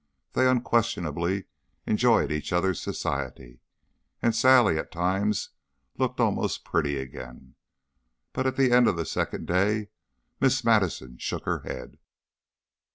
They unquestionably enjoyed each other's society, and Sally at times looked almost pretty again. But at the end of the second day Miss Madison shook her head.